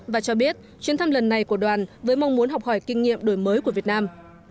và cho biết chuyến thăm lần này của đoàn với mong muốn học hỏi kinh nghiệm đổi mới của việt nam